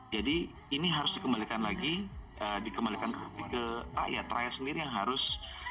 jadi ini harus dikembalikan lagi dikembalikan ke rakyat rakyat sendiri yang harus